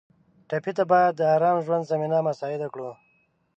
ټپي ته باید د ارام ژوند زمینه مساعده کړو.